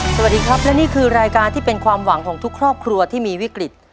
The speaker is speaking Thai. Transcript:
สวัสดีครับและนี่คือรายการที่เป็นความหวังของทุกครอบครัวที่มีวิกฤต